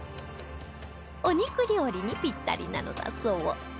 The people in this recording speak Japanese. お肉料理にピッタリなのだそう